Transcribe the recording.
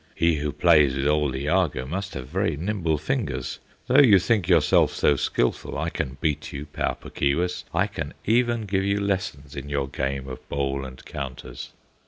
He who plays with old Iagoo Must have very nimble fingers; Though you think yourself so skilful, I can beat you, Pau Puk Keewis, I can even give you lessons In your game of Bowl and Counters!"